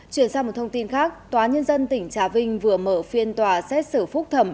chuyển sang một thông tin khác tòa nhân dân tỉnh trà vinh vừa mở phiên tòa xét xử phúc thẩm